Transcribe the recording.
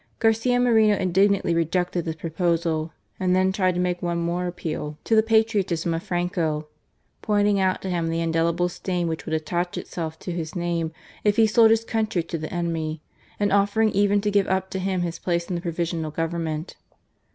Garcia Moreno indignantly rejected this proposal, and then tried to make one more appeal to the patriotism of Franco, pointing out to him the indelible stain which would attach itself to his name if he sold his country to the enemy, and offering even to give up to him his place in the Provisional Government.